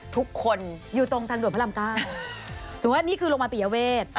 ทุกคนอยู่ตรงทางด่วนพระรามเก้าสมมุติว่านี่คือโรงพยาบาลปิยเวท